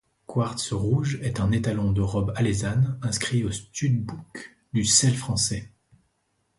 Quartz Rouge est un étalon de robe alezane, inscrit au stud-book du Selle français.